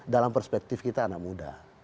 dalam perspektif kita anak muda